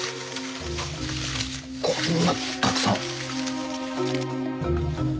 こんなたくさん！